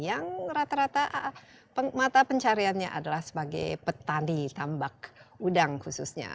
yang rata rata mata pencariannya adalah sebagai petani tambak udang khususnya